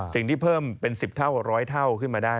สิ่งที่เพิ่มเป็น๑๐เท่า๑๐๐เท่าขึ้นมาได้